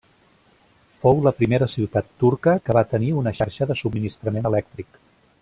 Fou la primera ciutat turca que va tenir una xarxa de subministrament elèctric.